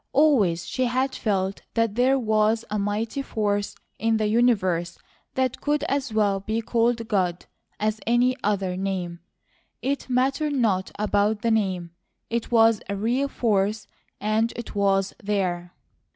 Always she had felt that there was a mighty force in the universe that could as well be called God as any other name; it mattered not about the name; it was a real force, and it was there.